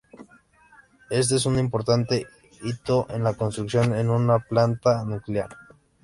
Este es un importante hito en la construcción de una planta nuclear.